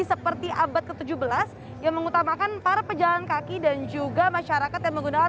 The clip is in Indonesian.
seperti abad ke tujuh belas yang mengutamakan para pejalan kaki dan juga masyarakat yang menggunakan